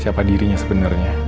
siapa dirinya sebenernya